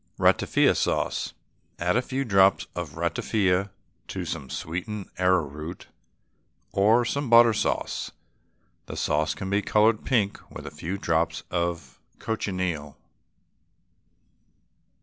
RATAFIA SAUCE. Add a few drops of essence of ratafia to some sweetened arrowroot or to some butter sauce. The sauce can be coloured pink with a few drops of cochineal.